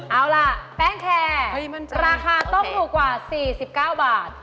เอาล่ะแป้งแคร์ราคาต้องถูกกว่า๔๙บาท